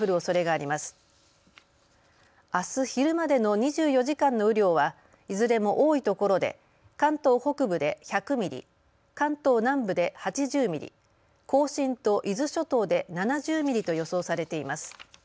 あす昼までの２４時間の雨量はいずれも多いところで関東北部で１００ミリ、関東南部で８０ミリ、甲信と伊豆諸島で７０ミリと予想されています。